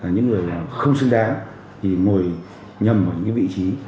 những người không xứng đáng thì ngồi nhầm ở những cái vị trí